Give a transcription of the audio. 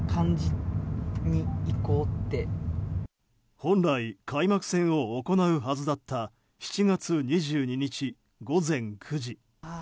本来、開幕戦を行うはずだった７月２２日、午前９時。